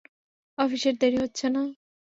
অফিসের দেরি হচ্ছে না?